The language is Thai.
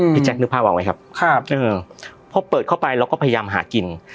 พี่แจ๊คนึกภาวะไหมครับพ่อเปิดเข้าไปเราก็พยายามหากลิ่น